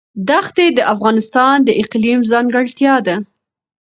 دښتې د افغانستان د اقلیم ځانګړتیا ده.